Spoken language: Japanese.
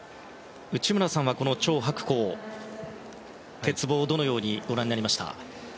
内村さんはチョウ・ハクコウの鉄棒どのようにご覧になりましたか？